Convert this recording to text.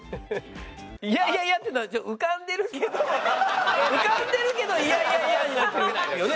いやいやいやってのは浮かんでるけど浮かんでるけどいやいやいやになってるよね？